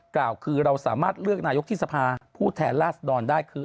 กล่าวคือเราสามารถเลือกนายกที่สภาผู้แทนราชดรได้คือ